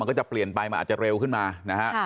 มันก็จะเปลี่ยนไปมันอาจจะเร็วขึ้นมานะฮะ